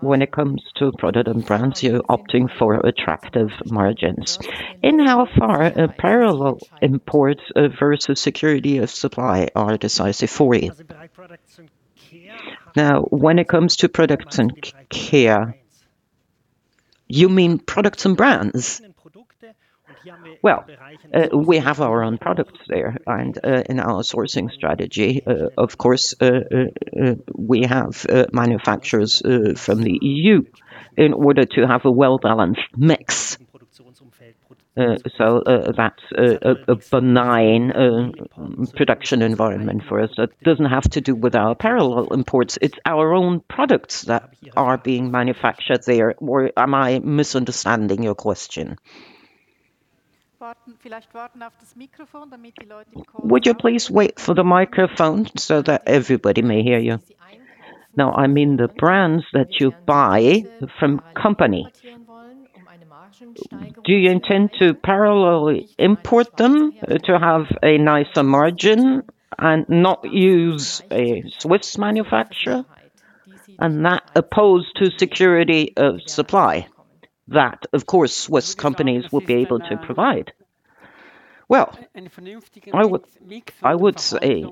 When it comes to product and brands, you're opting for attractive margins. In how far are parallel imports versus security of supply decisive for you? Now, when it comes to products and care, you mean products and brands? Well, we have our own products there, and, in our sourcing strategy, of course, we have manufacturers from the EU in order to have a well-balanced mix. So, that's a benign production environment for us. That doesn't have to do with our parallel imports. It's our own products that are being manufactured there. Or am I misunderstanding your question? Would you please wait for the microphone so that everybody may hear you? Now, I mean the brands that you buy from company. Do you intend to parallel import them to have a nicer margin and not use a Swiss manufacturer? As opposed to security of supply that, of course, Swiss companies would be able to provide. Well, I would say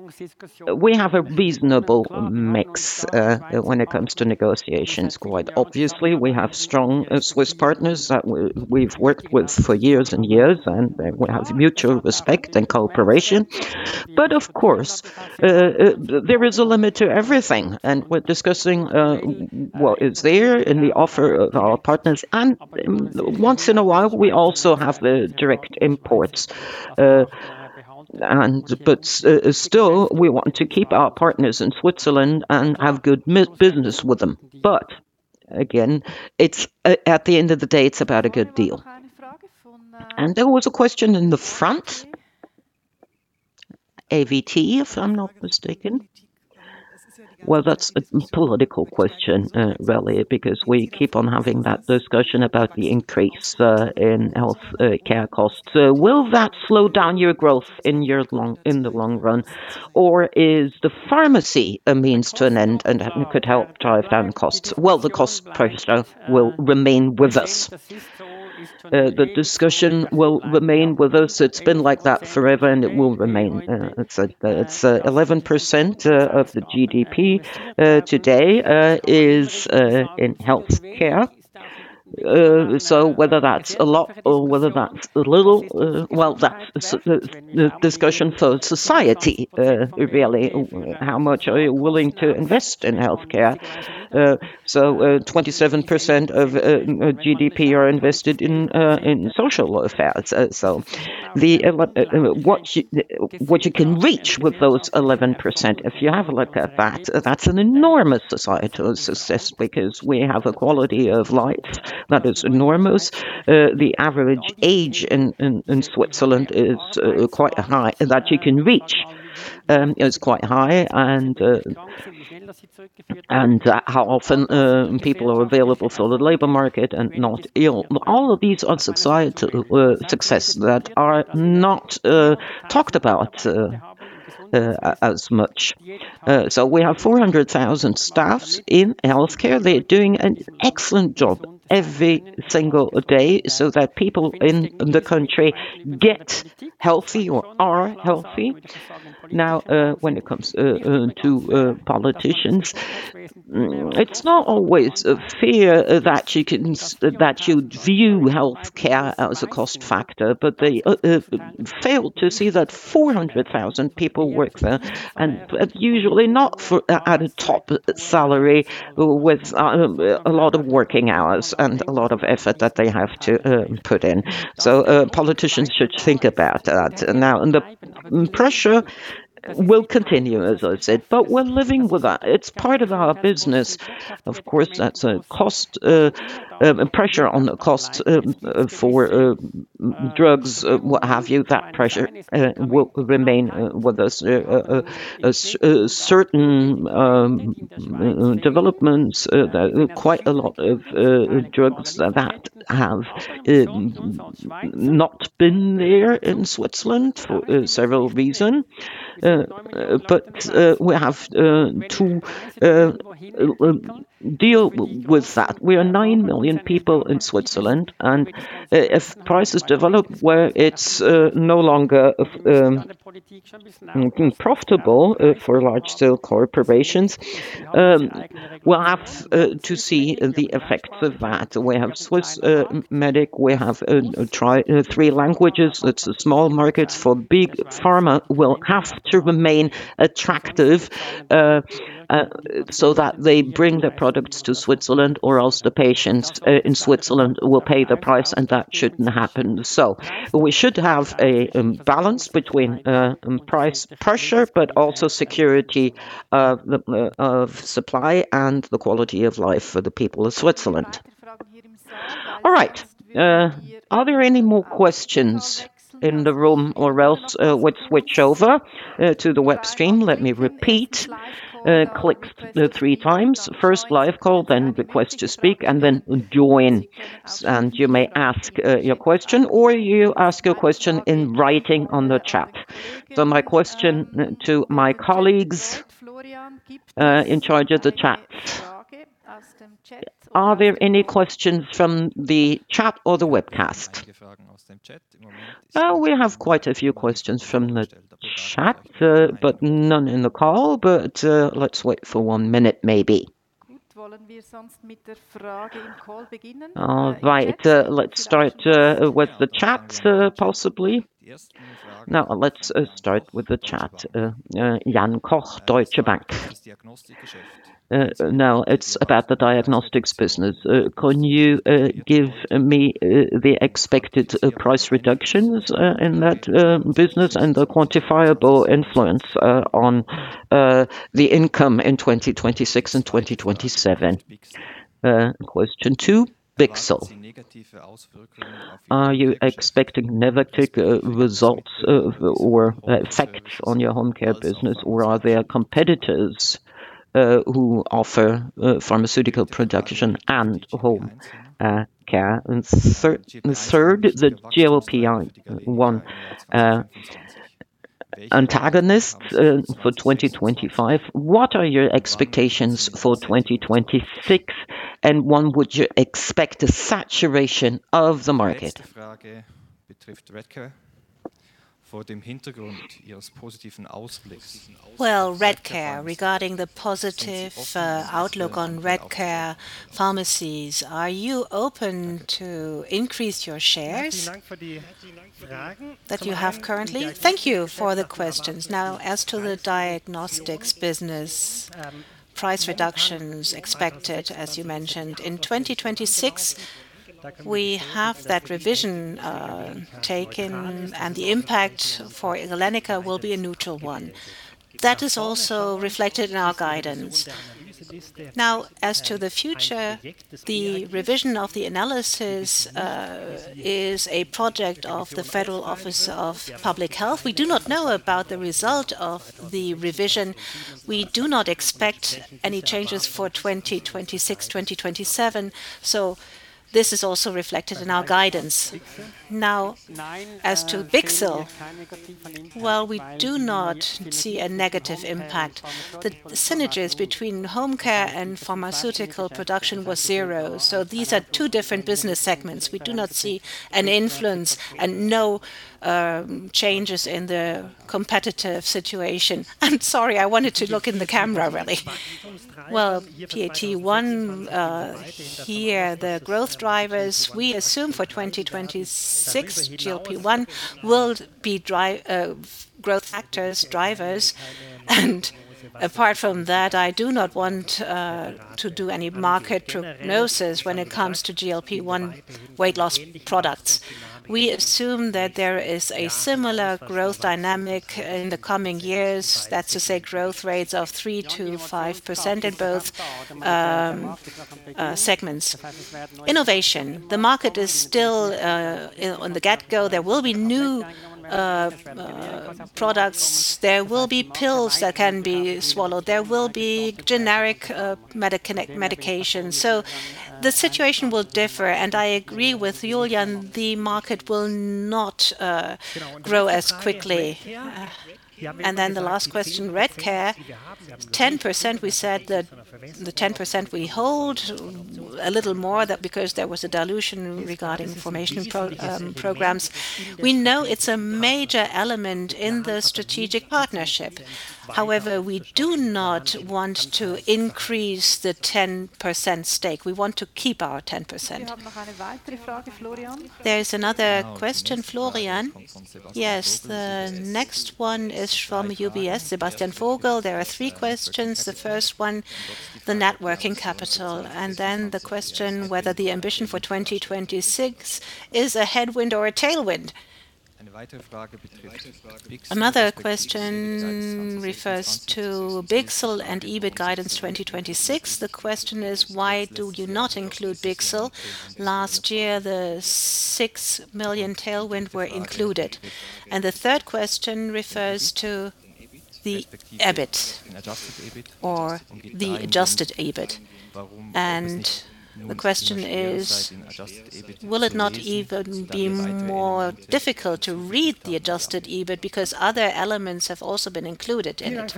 we have a reasonable mix when it comes to negotiations. Quite obviously, we have strong Swiss partners that we've worked with for years and years, and we have mutual respect and cooperation. Of course, there is a limit to everything, and we're discussing what is there in the offer of our partners. Once in a while, we also have the direct imports. Still, we want to keep our partners in Switzerland and have good business with them. Again, it's at the end of the day, it's about a good deal. There was a question in the front. AVT, if I'm not mistaken. Well, that's a political question, really, because we keep on having that discussion about the increase in health care costs. Will that slow down your growth in the long run, or is the pharmacy a means to an end and could help drive down costs? Well, the cost pressure will remain with us. The discussion will remain with us. It's been like that forever, and it will remain. It's 11% of the GDP today is in health care. Whether that's a lot or whether that's a little, well, that's a discussion for society, really. How much are you willing to invest in health care? 27% of GDP are invested in social affairs. What you can reach with those 11%, if you have a look at that's an enormous societal success because we have a quality of life that is enormous. The average age in Switzerland is quite high, that you can reach, is quite high and how often people are available for the labor market and not ill. All of these are societal success that are not talked about as much. We have 400,000 staffs in health care. They're doing an excellent job every single day so that people in the country get healthy or are healthy. Now, when it comes to politicians, it's not always a fear that you can. You view health care as a cost factor, but they fail to see that 400,000 people work there and usually not for a top salary with a lot of working hours and a lot of effort that they have to put in. Politicians should think about that. Now, the pressure will continue, as I said, but we're living with that. It's part of our business. Of course, that's a cost pressure on the cost for drugs, what have you, that pressure will remain with us. Certain developments, quite a lot of drugs that have not been there in Switzerland for several reasons. We have to deal with that. We are 9 million people in Switzerland, and if prices develop where it's no longer profitable for large scale corporations, we'll have to see the effect of that. We have Swissmedic. We have three languages. It's small markets for big pharma will have to remain attractive, so that they bring their products to Switzerland, or else the patients in Switzerland will pay the price, and that shouldn't happen. We should have a balance between price pressure, but also security of supply and the quality of life for the people of Switzerland. All right. Are there any more questions in the room or else we'd switch over to the web stream? Let me repeat. Click three times. First live call, then request to speak, and then join. You may ask your question or you ask your question in writing on the chat. My question to my colleagues in charge of the chat: are there any questions from the chat or the webcast? We have quite a few questions from the chat, but none in the call. Let's wait for one minute, maybe. All right. Let's start with the chat, possibly. No, let's start with the chat. Jan Koch, Deutsche Bank. Now it's about the diagnostics business. Can you give me the expected price reductions in that business and the quantifiable influence on the income in 2026 and 2027? Question two, Bichsel. Are you expecting negative results or effect on your home care business, or are there competitors who offer pharmaceutical production and home care? Third, the GLP-1 antagonist for 2025, what are your expectations for 2026, and when would you expect a saturation of the market? Well, Redcare, regarding the positive outlook on Redcare pharmacies, are you open to increase your shares that you have currently? Thank you for the questions. Now, as to the diagnostics business, price reductions expected, as you mentioned. In 2026, we have that revision taken, and the impact for Galenica will be a neutral one. That is also reflected in our guidance. Now, as to the future, the revision of the analysis is a project of the Federal Office of Public Health. We do not know about the result of the revision. We do not expect any changes for 2026, 2027, so this is also reflected in our guidance. Now, as to Bichsel, well, we do not see a negative impact. The synergies between home care and pharmaceutical production was zero, so these are two different business segments. We do not see an influence and no changes in the competitive situation. I'm sorry, I wanted to look in the camera, really. Well, Part one, here the growth drivers we assume for 2026, GLP-1 will be growth factors, drivers. Apart from that, I do not want to do any market prognosis when it comes to GLP-1 weight loss products. We assume that there is a similar growth dynamic in the coming years, that's to say growth rates of 3%-5% in both segments. Innovation. The market is still, you know, on the get-go. There will be new products. There will be pills that can be swallowed. There will be generic medications. So the situation will differ. I agree with Julian, the market will not grow as quickly. Then the last question, Redcare. 10%, we said that the 10% we hold a little more than that because there was a dilution regarding formation programs. We know it's a major element in the strategic partnership. However, we do not want to increase the 10% stake. We want to keep our 10%. There is another question, Florian. Yes. The next one is from UBS, Sebastian Vogel. There are three questions. The first one, the net working capital, and then the question whether the ambition for 2026 is a headwind or a tailwind. Another question refers to Bichsel and EBIT guidance 2026. The question is, why do you not include Bichsel? Last year, the 6 million tailwind were included. The third question refers to the EBIT or the adjusted EBIT. The question is, will it not even be more difficult to read the adjusted EBIT because other elements have also been included in it?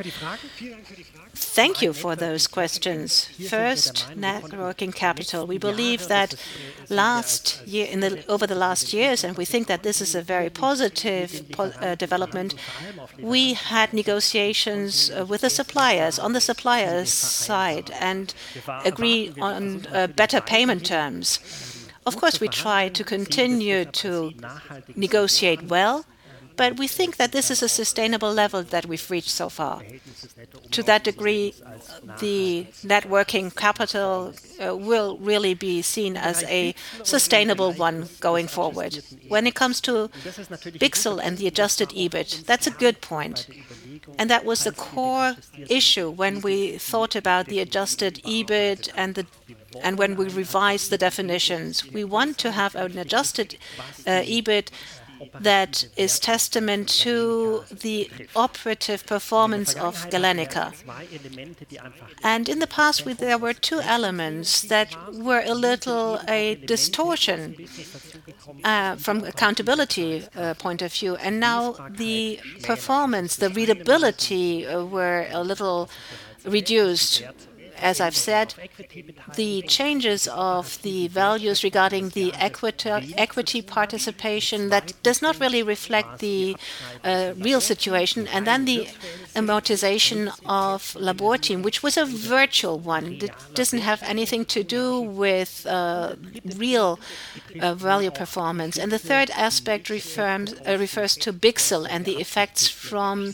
Thank you for those questions. First, net working capital. We believe that last year, over the last years, and we think that this is a very positive development, we had negotiations with the suppliers on the suppliers side and agree on better payment terms. Of course, we try to continue to negotiate well, but we think that this is a sustainable level that we've reached so far. To that degree, the net working capital will really be seen as a sustainable one going forward. When it comes to Bichsel and the adjusted EBIT, that's a good point, and that was the core issue when we thought about the adjusted EBIT and when we revised the definitions. We want to have an adjusted EBIT that is testament to the operative performance of Galenica. In the past, there were two elements that were a little distortion from accountability point of view. Now the performance, the readability were a little reduced. As I've said, the changes of the values regarding the equity participation, that does not really reflect the real situation. Then the amortization of Labor Team, which was a virtual one. It doesn't have anything to do with real value performance. The third aspect refers to Bichsel and the effects from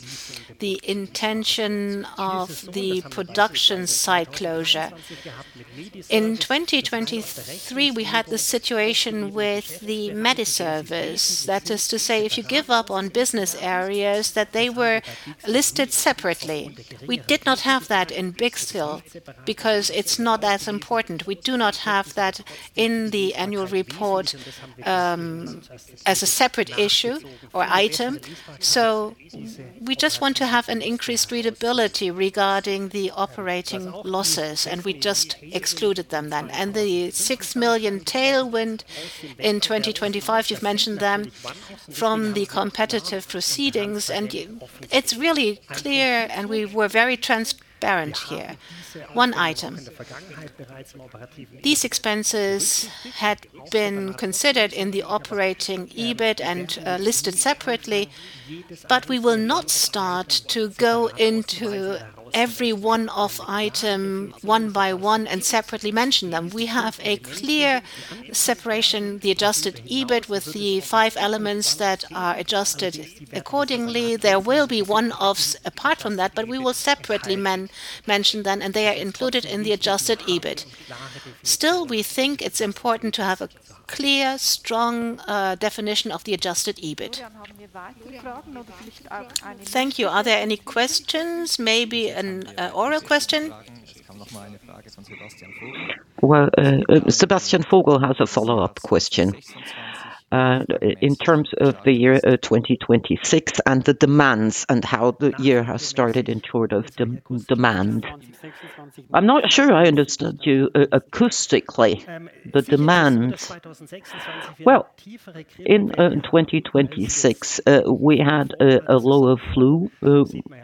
the intention of the production site closure. In 2023, we had the situation with the MediService. That is to say, if you give up on business areas that they were listed separately. We did not have that in Bichsel because it's not as important. We do not have that in the annual report, as a separate issue or item. We just want to have an increased readability regarding the operating losses, and we just excluded them then. The 6 million tailwind in 2025, you've mentioned them from the competitive proceedings. It's really clear and we were very transparent here. One item. These expenses had been considered in the operating EBIT and listed separately, but we will not start to go into every one-off item one by one and separately mention them. We have a clear separation, the adjusted EBIT with the five elements that are adjusted accordingly. There will be one-offs apart from that, but we will separately mention them, and they are included in the adjusted EBIT. Still, we think it's important to have a clear, strong definition of the adjusted EBIT. Thank you. Are there any questions? Maybe an oral question. Sebastian Vogel has a follow-up question. In terms of the year 2026 and the demands and how the year has started in terms of demand. I'm not sure I understood you acoustically. The demands? Well, in 2026, we had a lower flu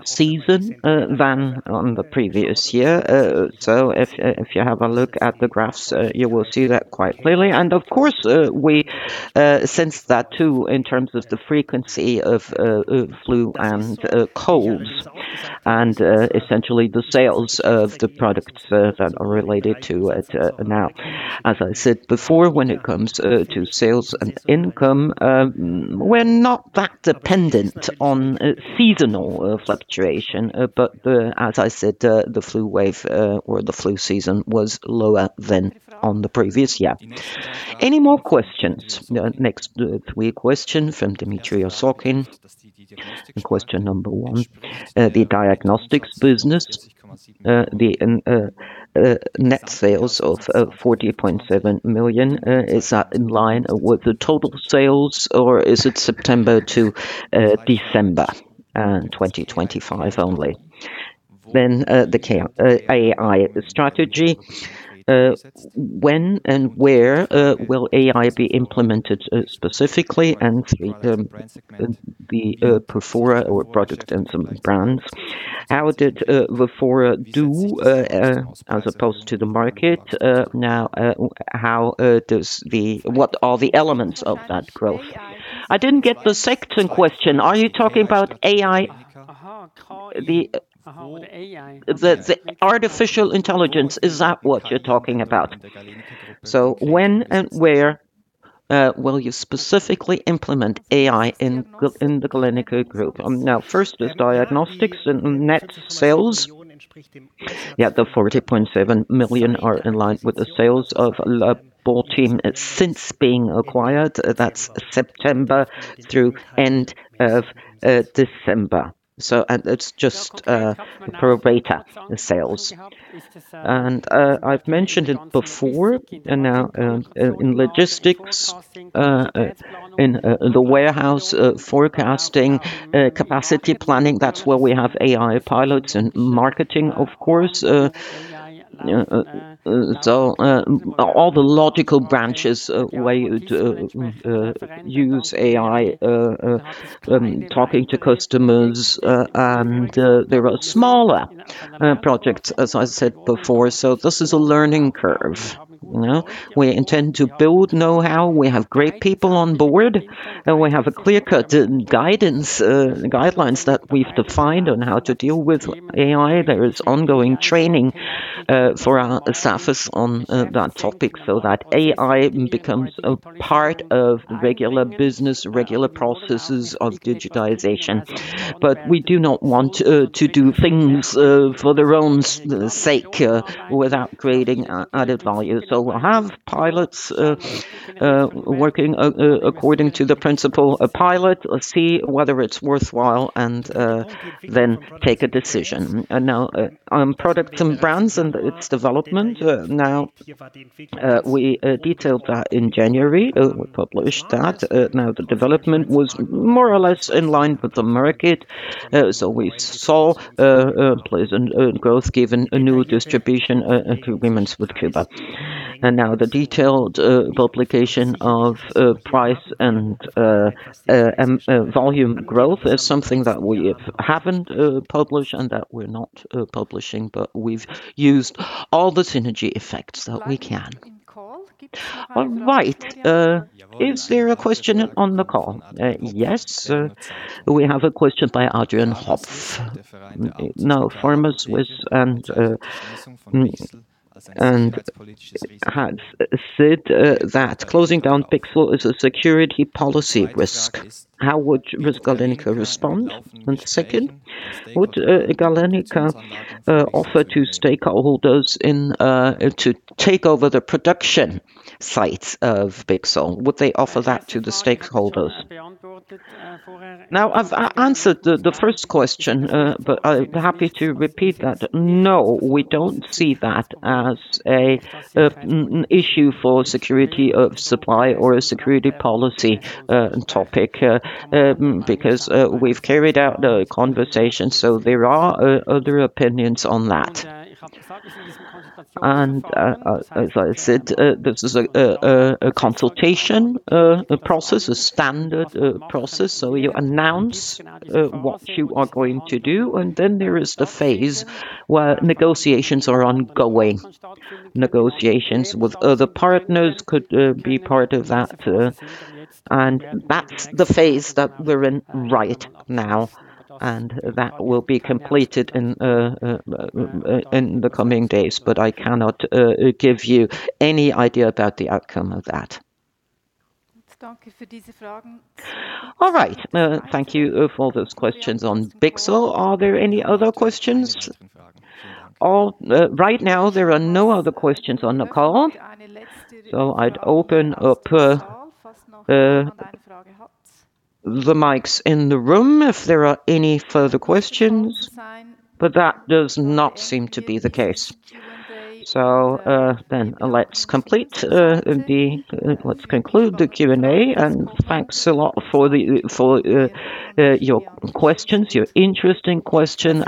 season than on the previous year. If you have a look at the graphs, you will see that quite clearly. Of course, we sense that too in terms of the frequency of flu and colds and essentially the sales of the products that are related to it. Now, as I said before, when it comes to sales and income, we're not that dependent on seasonal fluctuation. As I said, the flu wave or the flu season was lower than on the previous year. Any more questions? Next, we have question from Dmitry Osokin. Question number one, the diagnostics business, the net sales of 40.7 million, is that in line with the total sales or is it September to December 2025 only? AI, the strategy. When and where will AI be implemented specifically and the Verfora or product and some brands? How did VerFora do as opposed to the market? Now, what are the elements of that growth? I didn't get the second question. Are you talking about AI? The artificial intelligence, is that what you're talking about? When and where will you specifically implement AI in the Galenica Group? Now first is diagnostics and net sales. Yeah. The 40.7 million are in line with the sales of Labor Team since being acquired. That's September through end of December. It's just pro forma sales. I've mentioned it before, and now in logistics, in the warehouse, forecasting, capacity planning, that's where we have AI pilots and marketing, of course. All the logical branches where you do use AI, talking to customers, and there are smaller projects as I said before. This is a learning curve. You know, we intend to build know-how. We have great people on board, and we have a clear-cut guidance, guidelines that we've defined on how to deal with AI. There is ongoing training. For our focus on that topic so that AI becomes a part of regular business, regular processes of digitization. We do not want to do things for their own sake without creating added value. We'll have pilots working according to the principle, a pilot will see whether it's worthwhile and then take a decision. Now on product and brands and its development, now we detailed that in January, we published that. Now the development was more or less in line with the market. We saw pleasant growth given a new distribution agreements with Coop. Now the detailed publication of price and volume growth is something that we haven't published and that we're not publishing, but we've used all the synergy effects that we can. All right. Is there a question on the call? Yes, we have a question by Adrian Hoff. Now, pharmaSuisse has said that closing down Bichsel is a security policy risk. How would Galenica respond? One second. Would Galenica offer to stakeholders to take over the production sites of Bichsel? Would they offer that to the stakeholders? Now, I've answered the first question, but I'm happy to repeat that. No, we don't see that as an issue for security of supply or a security policy topic, because we've carried out the conversation, so there are other opinions on that. As I said, this is a consultation process, a standard process. You announce what you are going to do, and then there is the phase where negotiations are ongoing. Negotiations with other partners could be part of that, and that's the phase that we're in right now, and that will be completed in the coming days. I cannot give you any idea about the outcome of that. All right. Thank you for those questions on Bichsel. Are there any other questions? Right now there are no other questions on the call. I'd open up the mics in the room if there are any further questions, but that does not seem to be the case. Let's conclude the Q&A, and thanks a lot for your questions, your interesting question.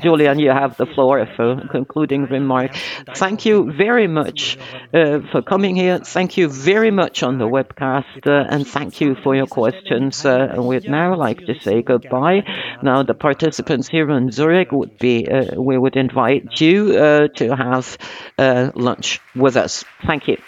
Julian, you have the floor for concluding remarks. Thank you very much for coming here. Thank you very much on the webcast and thank you for your questions. We'd now like to say goodbye. The participants here in Zurich would be, we would invite you to have lunch with us. Thank you.